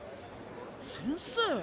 先生。